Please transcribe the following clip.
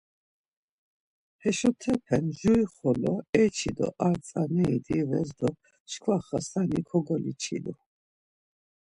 Heşopete jurixolo eçi do ar tzaneri dives do çkva Xasani kogoliçilu.